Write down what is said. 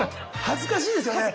恥ずかしいですよね。